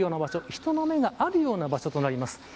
人の目があるような場所となります。